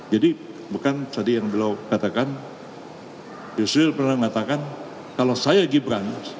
jadi bukan tadi yang beliau katakan yusril pernah mengatakan kalau saya gibran